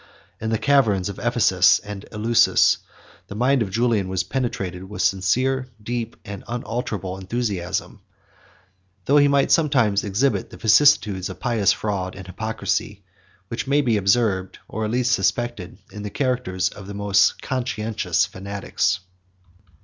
25 In the caverns of Ephesus and Eleusis, the mind of Julian was penetrated with sincere, deep, and unalterable enthusiasm; though he might sometimes exhibit the vicissitudes of pious fraud and hypocrisy, which may be observed, or at least suspected, in the characters of the most conscientious fanatics.